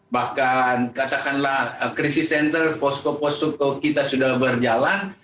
bahkan katakanlah krisis center posko posko kita sudah berjalan